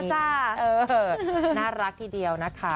จ๊ะจ๊ะจ๊ะเออน่ารักทีเดียวนะคะ